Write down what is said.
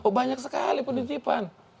oh banyak sekali penitipan